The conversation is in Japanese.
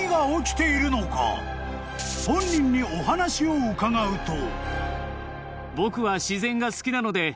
［本人にお話を伺うと］